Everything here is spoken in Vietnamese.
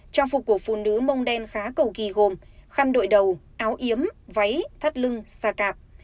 trang phục của phụ nữ mông đen khá cầu kỳ gồm khăn đội đầu áo yếm váy thắt lưng xa cạp